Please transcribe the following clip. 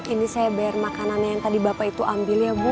ini saya bayar makanan yang tadi bapak itu ambil ya bu